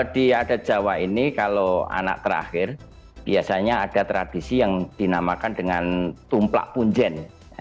di adat jawa ini kalau anak terakhir biasanya ada tradisi yang dinamakan dengan tumplak punjen